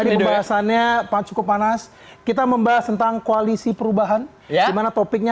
diperasanya pak cukup panas kita membahas tentang koalisi perubahan ya mana topiknya